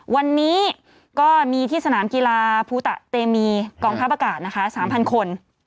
วันนี้ก็มีที่สนามกีฬาภูตะเตมีกองทัพอากาศนะคะ๓๐๐คน